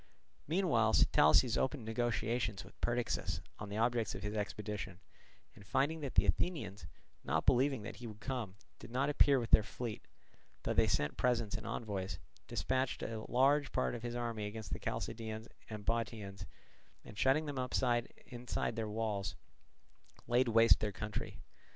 Meanwhile Sitalces opened negotiations with Perdiccas on the objects of his expedition; and finding that the Athenians, not believing that he would come, did not appear with their fleet, though they sent presents and envoys, dispatched a large part of his army against the Chalcidians and Bottiaeans, and shutting them up inside their walls laid waste their country.